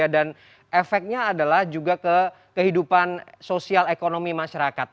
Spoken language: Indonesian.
dan efeknya adalah juga kehidupan sosial ekonomi masyarakat